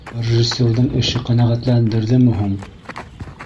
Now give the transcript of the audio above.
— Режиссерҙың эше ҡәнәғәтләндерҙеме һуң?